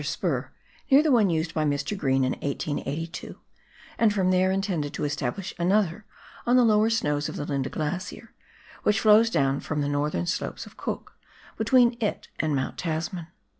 stetter spur, near the one used by Mr. Green in 1882,* and from there intended to establish another on the lower snows of the Linda Glacier, which flows down from the northern slopes of Cook, between it and Mount Tasman.